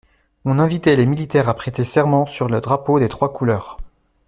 On invitait les militaires à prêter serment sur le drapeau des trois couleurs.